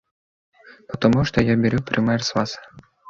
Потому что я беру пример с Вас.